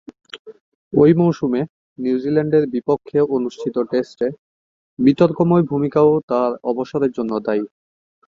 ঐ মৌসুমে নিউজিল্যান্ডের বিপক্ষে অনুষ্ঠিত টেস্টে বিতর্কময় ভূমিকাও তার অবসরের জন্য দায়ী।